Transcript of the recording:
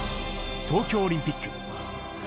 東京オリンピック。